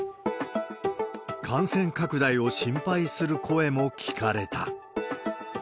感染拡大を心配する声も聞かれた。